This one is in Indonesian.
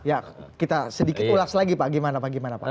ya kita sedikit ulas lagi pak gimana pak